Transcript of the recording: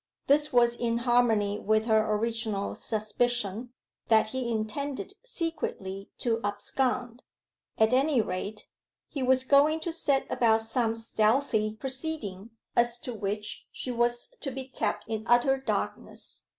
This was in harmony with her original suspicion, that he intended secretly to abscond. At any rate, he was going to set about some stealthy proceeding, as to which she was to be kept in utter darkness.